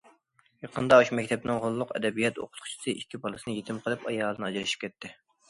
يېقىنىدا ئاشۇ مەكتەپنىڭ غوللۇق ئەدەبىيات ئوقۇتقۇچىسى ئىككى بالىسىنى يېتىم قىلىپ ئايالىدىن ئاجرىشىپ كەتتى.